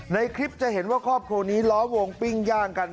ในคลิปจะเห็นว่าครอบครัวนี้ล้อวงปิ้งย่างกัน